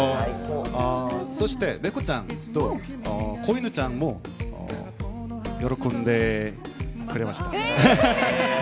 そして猫ちゃんと子犬ちゃんも喜んでくれました。